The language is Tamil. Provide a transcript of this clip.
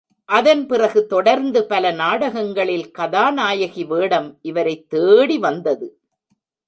அதன் பிறகு தொடர்ந்து பல நாடகங்களில் கதாநாயகி வேடம் இவரைத் தேடி வந்தது.